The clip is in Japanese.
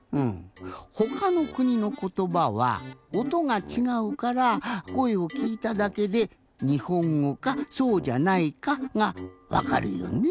ほかのくにのことばはおとがちがうからこえをきいただけでにほんごかそうじゃないかがわかるよね？